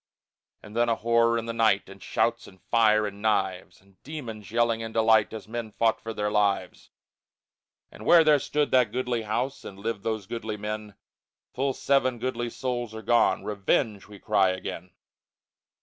And then a horror in the night, And shouts, and fire, and knives, And demons yelling in delight, As men fought for their lives. And where there stood that goodly house And lived those goodly men, Full seven goodly souls are gone. Revenge, we cry again!